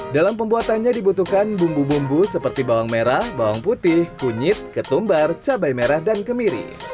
dalam pembuatannya dibutuhkan bumbu bumbu seperti bawang merah bawang putih kunyit ketumbar cabai merah dan kemiri